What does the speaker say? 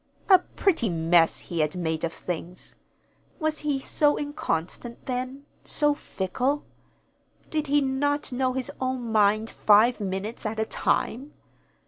A pretty mess he had made of things! Was he so inconstant then, so fickle? Did he not know his own mind five minutes at a time?